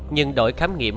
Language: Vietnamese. nhưng đội khám nghiệm